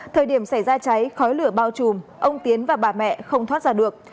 thời điểm xảy ra cháy khói lửa bao trùm ông tiến và bà mẹ không thoát ra được